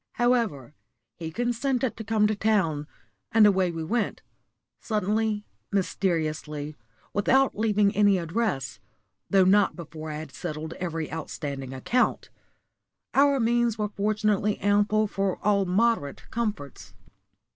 However, he consented to come to town, and away we went suddenly, mysteriously, without leaving any address, though not before I had settled every outstanding account. Our means were fortunately ample for all moderate comforts.